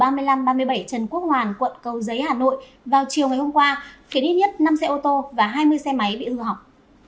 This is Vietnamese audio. trần quốc hoàn quận cầu giấy hà nội vào chiều ngày hôm qua khiến ít nhất năm xe ô tô và hai mươi xe máy bị hư hỏng